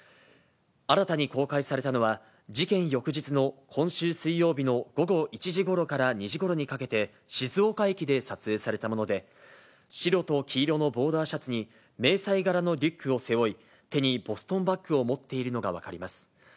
新たに公開されたのは、事件翌日の今週水曜日の午後１時ごろから２時ごろにかけて静岡駅で撮影されたもので、白と黄色のボーダーシャツに迷彩柄のリュックを背負い、手にボストンバッグを持っているのが分かります。